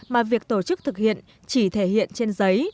mà việc tổ chức thực hiện chỉ thể hiện trên giấy